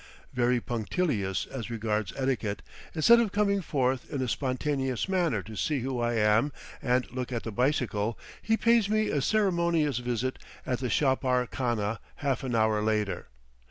Very punctilious as regards etiquette, instead of coming forth in a spontaneous manner to see who I am and look at the bicycle, he pays me a ceremonious visit at the chapar khana half an hour later.